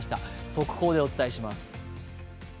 速報でお伝えします。